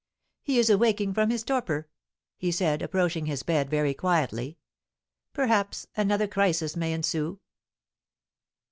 "He is awaking from his torpor," he said, approaching his bed very quietly; "perhaps another crisis may ensue!"